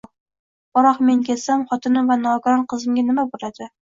Biroq men ketsam, xotinim va nogiron qizimga nima bo`ladi